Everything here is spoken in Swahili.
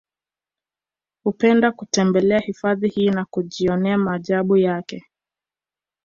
Hupenda kutembelea hifadhi hii na kujionea maajabu yake